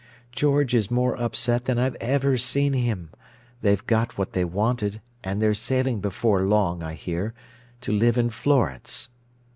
George is more upset than I've ever seen him—they've got what they wanted, and they're sailing before long, I hear, to live in Florence.